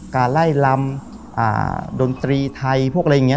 การไล่ลำดนตรีไทยพวกอะไรอย่างนี้